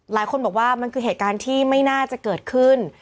หลายคนบอกว่ามันคือเหตุการณ์ที่ไม่น่าจะเกิดขึ้น